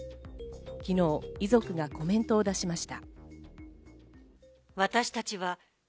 昨日遺族がコメントを出しました。